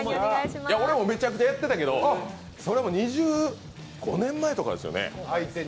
俺もめちゃくちゃやってたけど２５年くらい前ですよね。